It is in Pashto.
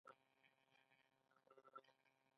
څنګه کولی شم د ماشومانو لپاره د جنت د خوښۍ بیان کړم